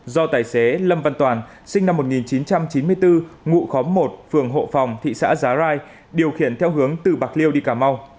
ba nghìn bảy trăm sáu mươi một do tài xế lâm văn toàn sinh năm một nghìn chín trăm chín mươi bốn ngụ khóm một phường hộ phòng thị xã giá rai điều khiển theo hướng từ bạc liêu đi cà mau